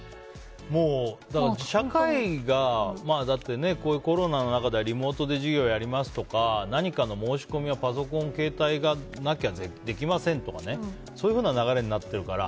だから社会がこういうコロナの中でリモートで授業やりますとか何かの申し込みはパソコン、携帯がなきゃできませんとかそういう流れになってるから。